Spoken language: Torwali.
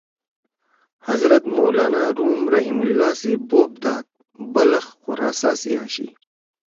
حضرت مولانا روم رحمھم اللّٰہ سی بوپ داد بلخ خراسان سی آشی۔